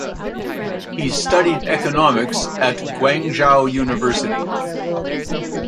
He studied economics at Guangzhou University.